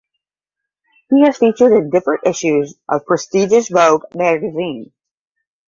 He has featured in different issues of prestigious vogue magazines.